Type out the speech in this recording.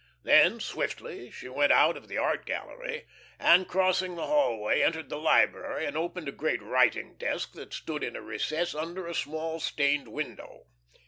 Then, swiftly, she went out of the art gallery, and, crossing the hallway, entered the library and opened a great writing desk that stood in a recess under a small stained window.